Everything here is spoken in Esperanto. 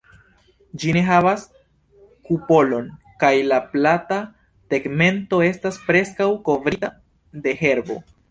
Ĝi ne havas kupolon, kaj la plata tegmento estas preskaŭ kovrita de herbo.